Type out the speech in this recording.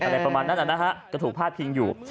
อะไรประมาณนั้นนะฮะก็ถูกพาดพิงอยู่